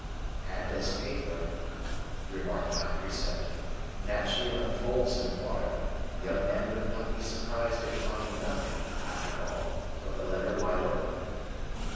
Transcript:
'And as paper,' remarked my preceptor, 'naturally unfolds in water, the young man would not be surprised at finding nothing, after all, but the letter wide open.